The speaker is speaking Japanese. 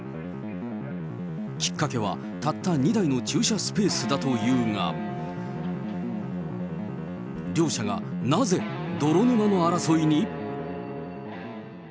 きっかけはたった２台の駐車スペースだというが、両者がなぜ、泥沼の争いに？